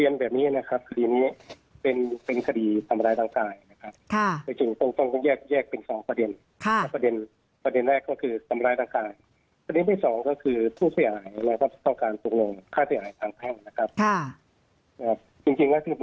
นะคะขอเรียนแบบนี้นะครับ